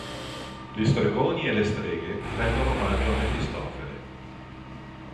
Gli stregoni e le streghe rendono omaggio a Mefistofele.